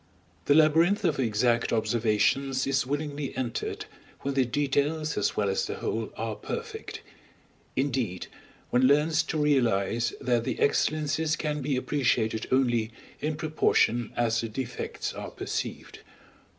The labyrinth of exact observations is willingly entered when the details as well as the whole are perfect; indeed one learns to realize that the excellences can be appreciated only in proportion as the defects are perceived.